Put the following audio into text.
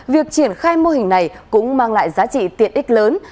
việc triển khai mô hình này cũng mang lại giá trị tiện ích lớn